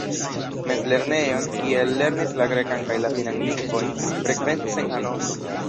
Mezlernejon, kie ellernis la grekan kaj latinan lingvojn, frekventis en Hanovro.